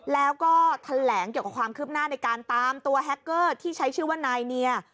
แล้วก็แถลงเกี่ยวกับความคืบหน้าในการตามตัวแฮคเกอร์ที่ใช้ชื่อว่านายเนีย